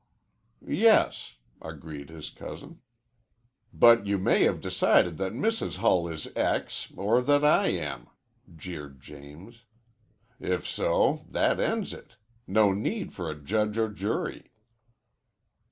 "Yes," agreed his cousin. "But you may have decided that Mrs. Hull is X or that I am," jeered James. "If so, of course that ends it. No need for a judge or jury."